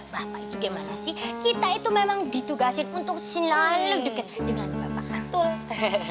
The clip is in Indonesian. bapak itu gimana sih kita itu memang ditugasin untuk selalu dekat dengan bapak antul